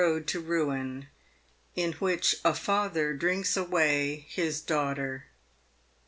CHAPTEE XVIII. IN WHICH A FATHER DRINKS AWAY HIS DAUGHTER.